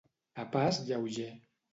A pas lleuger.